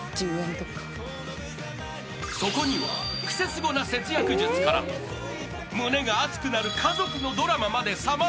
［そこにはクセスゴな節約術から胸が熱くなる家族のドラマまで様々］